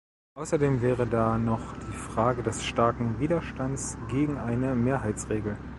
Außerdem wäre da noch die Frage des starken Widerstands gegen eine Mehrheitsregel.